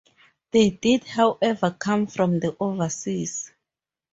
They did however come from the overseas.